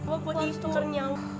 aku harus tukernyam